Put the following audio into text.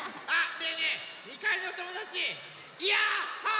ねえねえ２かいのおともだちヤッホー！